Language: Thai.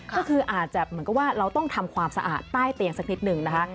ก็คืออาจจะเหมือนกับว่าเราต้องทำความสะอาดใต้เตียงสักนิดนึงนะคะ